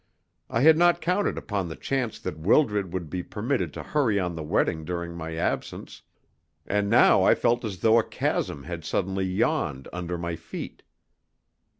I had not counted upon the chance that Wildred would be permitted to hurry on the wedding during my absence, and now I felt as though a chasm had suddenly yawned under my feet.